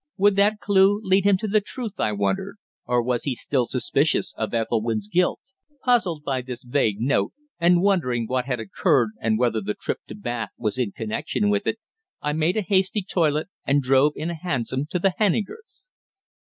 Would that clue lead him to the truth, I wondered? Or was he still suspicious of Ethelwynn's guilt? Puzzled by this vague note, and wondering what had occurred, and whether the trip to Bath was in connection with it, I made a hasty toilet and drove in a hansom to the Hennikers'.